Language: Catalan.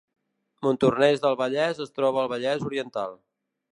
Montornès del Vallès es troba al Vallès Oriental